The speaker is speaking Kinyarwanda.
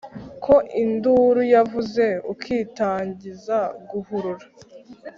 Ko induru yavuze ukitangiza guhurura,